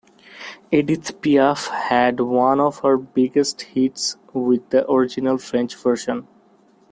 Edith Piaf had one of her biggest hits with the original French version.